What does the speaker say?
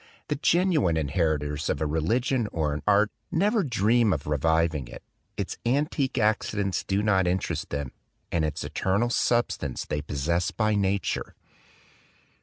The genuine inheritors of a re ligion or an art never dream of reviving it; its antique accidents do not interest them, and its eternal substance they possess by nature."